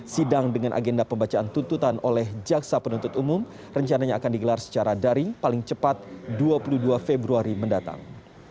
sidang dengan agenda pembacaan tuntutan oleh jaksa penuntut umum rencananya akan digelar secara daring paling cepat dua puluh dua februari mendatang